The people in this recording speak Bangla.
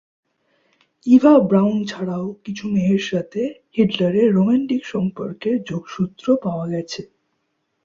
ইভা ব্রাউন ছাড়াও কিছু মেয়ের সাথে হিটলারের রোমান্টিক সম্পর্কের যোগসূত্র পাওয়া গেছে।